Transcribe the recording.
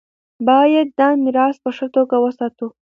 باید دا میراث په ښه توګه وساتو.